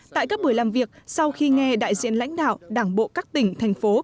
tại các buổi làm việc sau khi nghe đại diện lãnh đạo đảng bộ các tỉnh thành phố